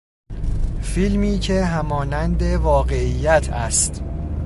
فیلمی که همانند واقعیت است.